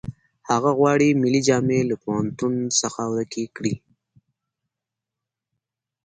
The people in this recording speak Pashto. هغه غواړي ملي جامې له پوهنتون څخه ورکې کړي